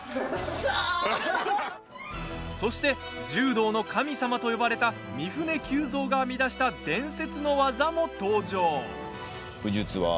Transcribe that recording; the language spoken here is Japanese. そして、柔道の神様と呼ばれた三船久蔵が編み出した伝説の技も登場。